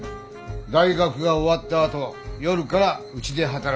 大学が終わったあと夜からうちで働く。